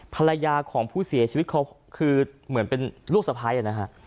ภรรยาของผู้เสียชีวิตเขาคือเหมือนเป็นลูกสะพ้ายนะฮะ